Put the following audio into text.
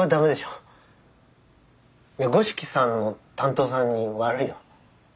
五色さんの担当さんに悪いよ。